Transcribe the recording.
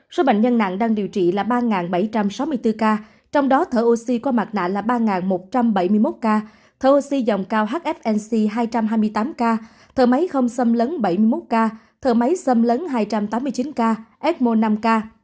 số bệnh nhân nặng đang điều trị là ba bảy trăm sáu mươi bốn ca trong đó thở oxy qua mặt nạ là ba một trăm bảy mươi một ca thô dòng cao hfnc hai trăm hai mươi tám ca thở máy không xâm lấn bảy mươi một ca thở máy xâm lấn hai trăm tám mươi chín ca fm năm k